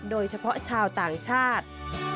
โดยเฉพาะชาวต่างชาติ